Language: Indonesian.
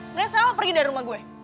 mendingan saya lo pergi dari rumah gue